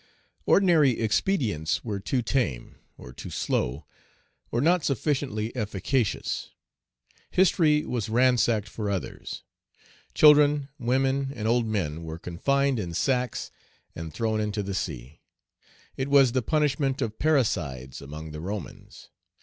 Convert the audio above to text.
Ordinary expedients were too tame, or too slow, or not sufficiently efficacious. History was ransacked for others. Children, women, and old men were confined in sacks and thrown into the sea: it was the punishment of parricides among the Romans.